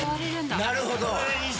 なるほど！